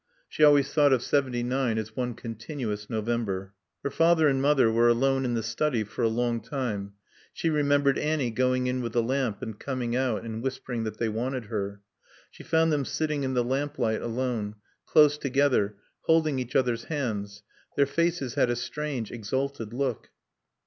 She always thought of seventy nine as one continuous November. Her father and mother were alone in the study for a long time; she remembered Annie going in with the lamp and coming out and whispering that they wanted her. She found them sitting in the lamplight alone, close together, holding each other's hands; their faces had a strange, exalted look.